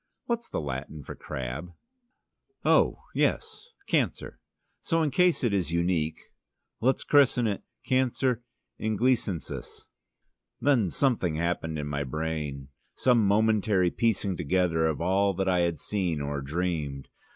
What's the Latin for crab?" "Oh, yes, Cancer. So in case it is unique, let's christen it: 'Cancer Inglisensis.'" Then something happened in my brain, some momentary piecing together of all that I had seen or dreamed.